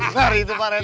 biar itu pak rt